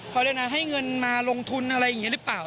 เขาเรียกนะให้เงินมาลงทุนอะไรอย่างนี้หรือเปล่า